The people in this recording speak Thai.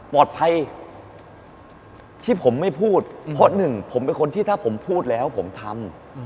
ปลอดภัยที่ผมไม่พูดเพราะหนึ่งผมเป็นคนที่ถ้าผมพูดแล้วผมทำ